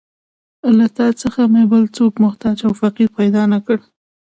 له تا څخه مې بل څوک محتاج او فقیر پیدا نه کړ.